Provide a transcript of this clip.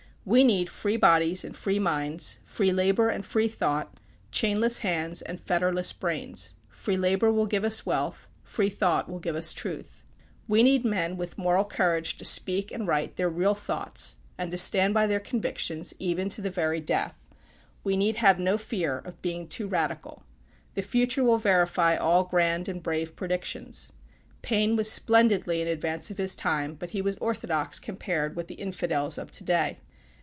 We need free bodies and free minds free labor and free thought chainless hands, and fetterless brains. Free labor will give us wealth. Free thought will give us truth. We need men with moral courage to speak and write their real thoughts, and to stand by their convictions, even to the very death. We need have no fear of being too radical. The future will verify all grand and brave predictions. Paine was splendidly in advance of his time; but he was orthodox compared with the Infidels of to day.